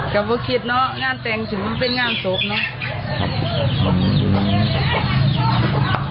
กลับมาคิดเนาะงานแต่งถึงเป็นงานศพเนาะ